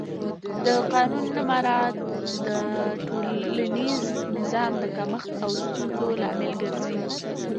د قانون نه مراعت د ټولنیز نظم د کمښت او ستونزو لامل ګرځي